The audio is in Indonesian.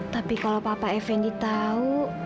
tapi kalau papa effendi tahu